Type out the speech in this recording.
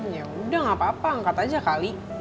ya udah gak apa apa angkat aja kali